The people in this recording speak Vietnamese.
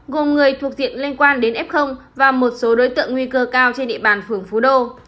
gồm người thuộc diện liên quan đến f và một số đối tượng nguy cơ cao trên địa bàn phường phú đô